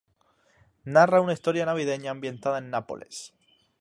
Narra una historia navideña ambientada en Nápoles.